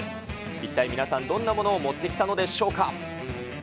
一体皆さん、どんなものを持ってきたのでしょうか。